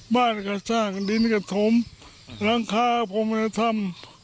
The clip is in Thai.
บ้านกับสร้างดินกับสมรังคากับพรหมณธรรม